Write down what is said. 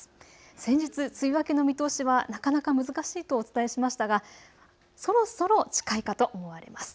先日、梅雨明けの見通しはなかなか難しいとお伝えしましたがそろそろ近いかと思われます。